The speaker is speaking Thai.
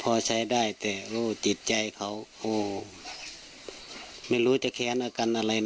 พอใช้ได้แต่รู้จิตใจเขาโอ้ไม่รู้จะแค้นอาการอะไรนะ